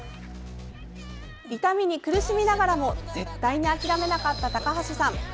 痛みに苦しみながらも絶対に諦めなかった高橋さん。